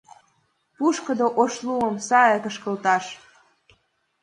Пушкыдо ош лумым Сае кышкылташ.